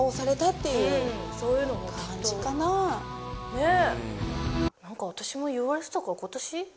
ねえ！